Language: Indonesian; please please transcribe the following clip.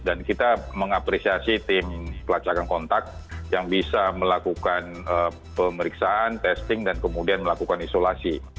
dan kita mengapresiasi tim pelacakan kontak yang bisa melakukan pemeriksaan testing dan kemudian melakukan isolasi